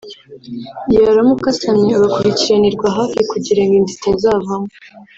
yaramuka asamye agakurikiranirwa hafi kugira ngo inda itazavamo